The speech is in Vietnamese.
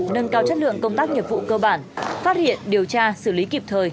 nâng cao chất lượng công tác nghiệp vụ cơ bản phát hiện điều tra xử lý kịp thời